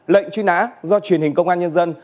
lệnh truy nã do truyền hình công an nhân dân